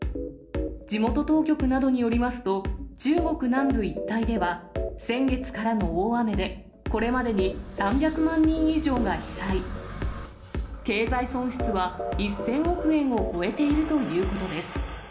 地元当局などによりますと、中国南部一帯では、先月からの大雨で、これまでに３００万人以上が被災、経済損失は１０００億円を超えているということです。